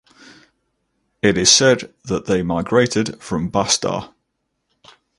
It is said that they migrated from Bastar.